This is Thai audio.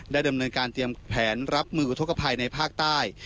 ดำเนินการเตรียมแผนรับมืออุทธกภัยในภาคใต้